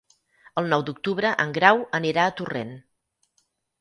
El nou d'octubre en Grau anirà a Torrent.